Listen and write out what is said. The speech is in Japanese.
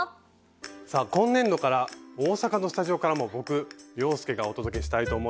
さあ今年度から大阪のスタジオからも僕洋輔がお届けしたいと思います。